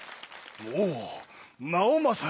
おお直政か。